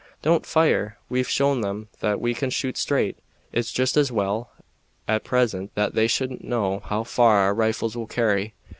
"Don't fire! We've shown them that we can shoot straight. It's jest as well at present that they shouldn't know how far our rifles will carry."